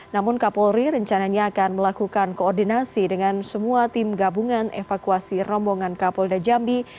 namun kapolri rencananya akan melakukan koordinasi dengan semua tim gabungan evakuasi rombongan kapolda jambi